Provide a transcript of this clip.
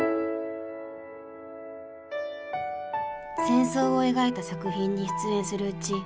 戦争を描いた作品に出演するうち